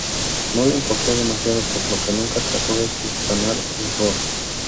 No le importó demasiado, por lo que nunca trató de subsanar el error.